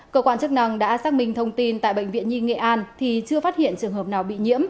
cơ quan chức năng đã xác minh thông tin tại bệnh viện nhi nghệ an thì chưa phát hiện trường hợp nào bị nhiễm